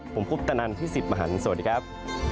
ผมพุภตนันที่สิบมหันฯสวัสดีครับ